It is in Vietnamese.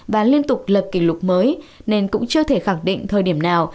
và liên tục lập kỷ lục mới nên cũng chưa thể khẳng định thời điểm nào